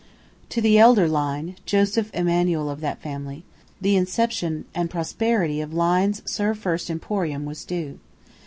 To the elder Lyne, Joseph Emanuel of that family, the inception and prosperity of Lyne's Serve First Emporium was due.